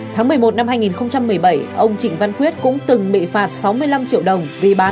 tháng một mươi một năm hai nghìn một mươi bảy ông trịnh văn quyết cũng từng bị phạt sáu mươi năm triệu đồng vì bán